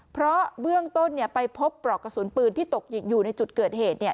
เพราะเบื้องต้นเนี่ยไปพบปลอกกระสุนปืนที่ตกอยู่ในจุดเกิดเหตุเนี่ย